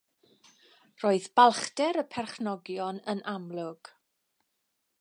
Roedd balchder y perchnogion yn amlwg.